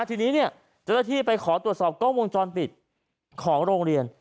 ทีนี้เนี่ยเจ้าหน้าที่ไปขอตรวจสอบกล้องวงจรปิดของโรงเรียน